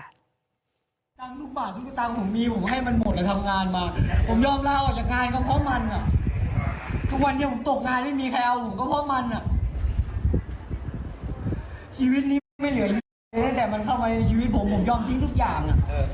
ตั้งแต่มันเข้ามาในชีวิตผมผมยอมทิ้งทุกอย่าง